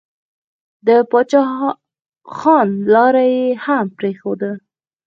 د پاچا خان لاره يې هم پرېښوده.